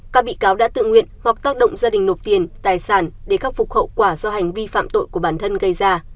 các bị cáo đã tự nguyện hoặc tác động gia đình nộp tiền tài sản để khắc phục hậu quả do hành vi phạm tội của bản thân gây ra